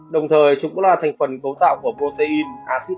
đồng thời chúng cũng là thành phần cấu tạo của protein acid amine hỗ trợ sản xuất